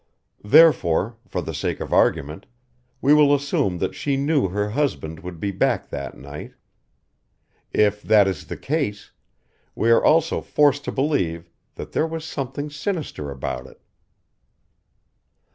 Therefore, for the sake of argument, we will assume that she knew her husband would be back that night. If that is the case we are also forced to believe that there was something sinister about it.